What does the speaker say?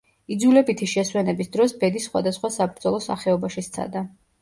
იძულებითი შესვენების დროს ბედი სხვადასხვა საბრძოლო სახეობაში სცადა.